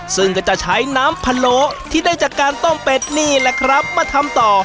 ซึ่งก็จะใช้น้ำพะโลที่ได้จากการต้มเป็ดนี่แหละครับมาทำต่อ